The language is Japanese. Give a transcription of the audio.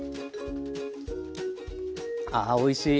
あおいしい。